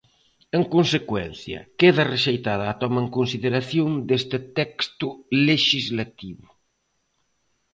En consecuencia, queda rexeitada a toma en consideración deste texto lexislativo.